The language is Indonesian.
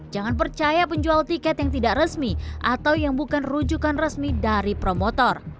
jangan percaya penjual tiket yang tidak resmi atau yang bukan rujukan resmi dari promotor